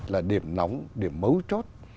là điểm nóng điểm mấu chốt